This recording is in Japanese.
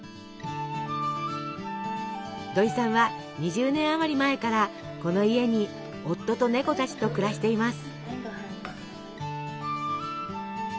どいさんは２０年あまり前からこの家に夫とネコたちと暮らしています。